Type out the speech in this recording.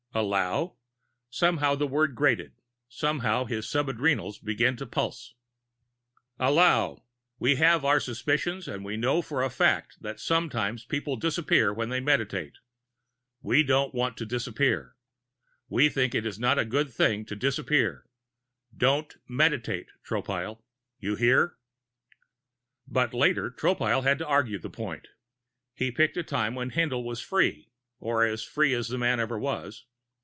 "Allow?" Somehow the word grated; somehow his sub adrenals began to pulse. "Allow! We have our suspicions and we know for a fact that sometimes people disappear when they meditate. We don't want to disappear. We think it's not a good thing to disappear. Don't meditate, Tropile. You hear?" But later, Tropile had to argue the point. He picked a time when Haendl was free, or as nearly free as that man ever was.